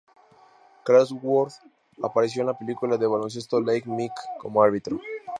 Crawford apareció en la película de baloncesto "Like Mike" como árbitro.